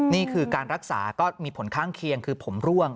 นี่คือการรักษาก็มีผลข้างเคียงคือผมร่วง